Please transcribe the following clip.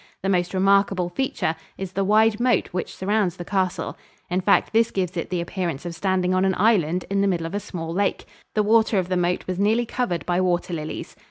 The most remarkable feature is the wide moat which surrounds the castle. In fact, this gives it the appearance of standing on an island in the middle of a small lake. The water of the moat was nearly covered by water lilies.